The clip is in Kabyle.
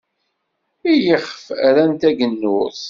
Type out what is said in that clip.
I yixef, rran tagennurt.